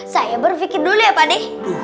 saya berpikir dulu ya pade